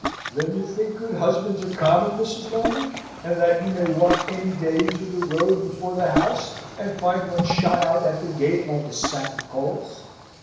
"Then you think good husbands are common, Mrs. Lambert, and that you may walk any day into the road before the house and find one shot out at the gate like a sack of coals?"